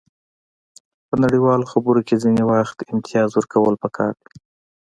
په نړیوالو خبرو کې ځینې وخت امتیاز ورکول پکار دي